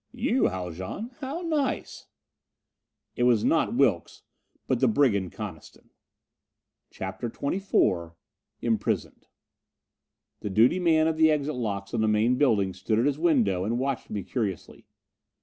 "You, Haljan! How nice!" It was not Wilks, but the brigand Coniston! CHAPTER XXIV Imprisoned! The duty man at the exit locks of the main building stood at his window and watched me curiously.